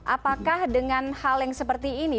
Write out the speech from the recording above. apakah dengan hal yang seperti ini